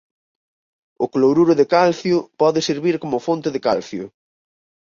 O cloruro de calcio pode servir como fonte de calcio.